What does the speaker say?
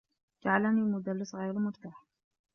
جعلني المدرّس غير مرتاح.